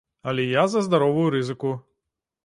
Але я за здаровую рызыку.